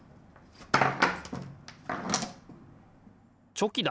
チョキだ！